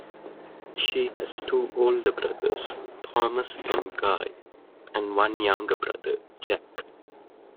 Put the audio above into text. She has two older brothers, Thomas and Guy, and one younger brother, Jack.